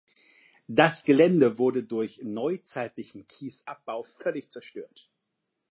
Das Gelände wurde durch neuzeitlichen Kiesabbau völlig zerstört.